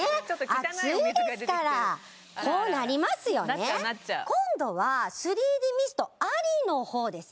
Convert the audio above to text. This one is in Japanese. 暑いですからこうなりますよね今度は３Ｄミストありの方ですね